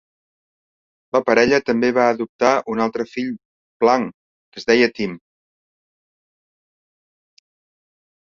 La parella també va adoptar un altre fill, blanc, que es deia Tim.